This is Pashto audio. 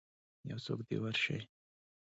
یوڅوک دی ورشئ